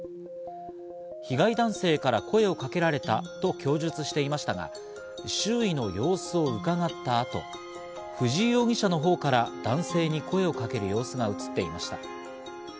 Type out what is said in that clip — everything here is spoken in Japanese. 被害男性から声をかけられたと供述していましたが、周囲の様子を伺ったあと、藤井容疑者のほうから男性に声をかける様子が映っていました。